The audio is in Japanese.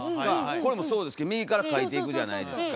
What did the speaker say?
これもそうですけど右から書いていくじゃないですか。